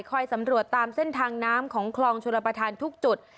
คอยสำรวจตามเส้นทางน้ำของคลองชูระปัฒนธุ์ทุกจุด